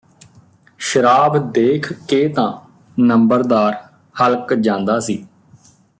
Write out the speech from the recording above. ਸ਼ਰਾਬ ਦੇਖ ਕੇ ਤਾਂ ਨੰਬਰਦਾਰ ਹਲਕ ਜਾਂਦਾ ਸੀ